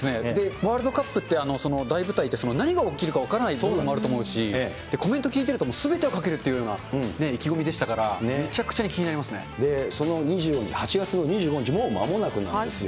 ワールドカップって大舞台って何が起きるか分からない部分があるし、コメント聞いてるとすべてをかけるというような意気込みでしたから、その８月の２５日、もう間もなくなんですよ。